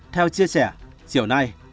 theo chia sẻ chiều nay